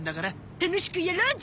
楽しくやろうぜ！